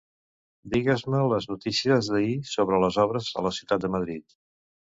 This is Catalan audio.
Digues-me les notícies d'ahir sobre les obres a la ciutat de Madrid.